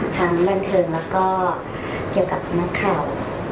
ทั้งบันเทิงแล้วก็เกี่ยวกับนักข่าว